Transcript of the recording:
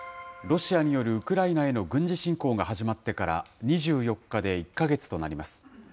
ロシアによるウクライナへの軍事侵攻が始まってから２４日で１か月となります。